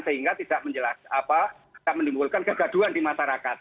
sehingga tidak menimbulkan kegaduan di masyarakat